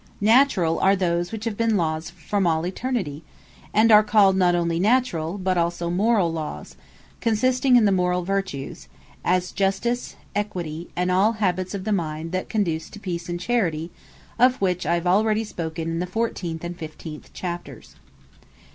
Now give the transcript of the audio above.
Naturall are those which have been Lawes from all Eternity; and are called not onely Naturall, but also Morall Lawes; consisting in the Morall Vertues, as Justice, Equity, and all habits of the mind that conduce to Peace, and Charity; of which I have already spoken in the fourteenth and fifteenth Chapters.